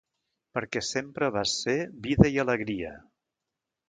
Perquè sempre vas ser vida i alegria.